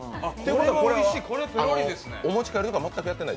これはお持ち帰りとか全くやってない？